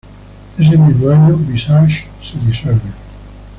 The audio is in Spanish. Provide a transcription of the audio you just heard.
Ese mismo año Visage se disuelve.